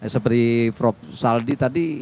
seperti prof saldi tadi